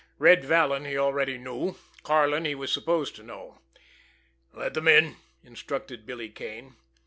Red Vallon he already knew— Karlin he was supposed to know. "Let them in," instructed Billy Kane.